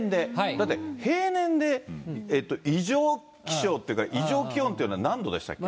だって、平年で異常気象っていうか、異常気温っていうのは何度でしたっけ？